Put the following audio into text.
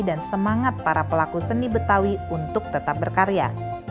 dan semangat para pelaku seni betawi untuk tetap berkarya